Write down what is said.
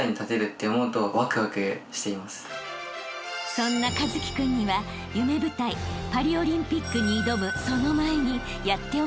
［そんな一輝君には夢舞台パリオリンピックに挑むその前にやっておきたいことが］